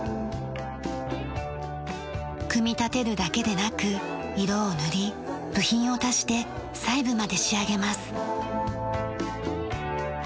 組み立てるだけでなく色を塗り部品を足して細部まで仕上げます。